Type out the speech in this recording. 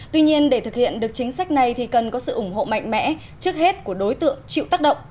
tuy nhiên để thực hiện được chính sách này thì cần có sự ủng hộ mạnh mẽ trước hết của đối tượng chịu tác động